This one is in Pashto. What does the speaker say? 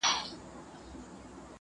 ارزښتونه کلتوري میراث دی.